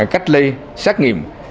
cách ly xét nghiệm